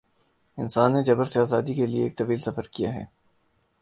انسان نے جبر سے آزادی کے لیے ایک طویل سفر کیا ہے۔